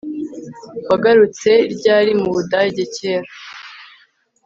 Wagarutse ryari mu Budage cyera